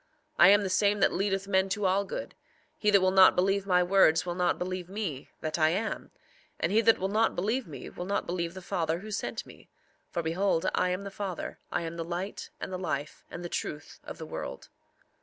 I am the same that leadeth men to all good; he that will not believe my words will not believe me—that I am; and he that will not believe me will not believe the Father who sent me. For behold, I am the Father, I am the light, and the life, and the truth of the world.